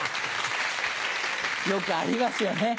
よくありますよね。